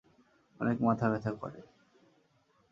অনেক মাথা ব্যথা করে।